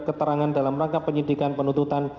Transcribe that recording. keterangan dalam rangka penyidikan penuntutan